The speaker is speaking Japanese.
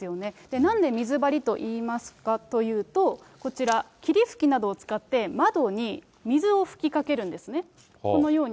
なんで水貼りといいますかというと、こちら、霧吹きなどを使って窓に水を吹きかけるんですね。